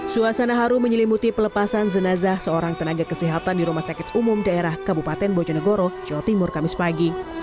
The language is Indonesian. suasana haru menyelimuti pelepasan jenazah seorang tenaga kesehatan di rumah sakit umum daerah kabupaten bojonegoro jawa timur kamis pagi